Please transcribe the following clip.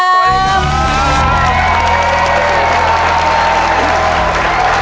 สวัสดีครับ